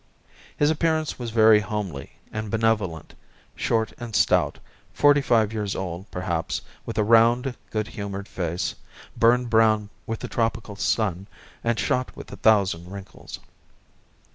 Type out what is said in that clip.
His appearance was very homely and benevolent, short and stout, forty five years old, perhaps, with a round, good humoured face, burned brown with the tropical sun, and shot with a thousand wrinkles.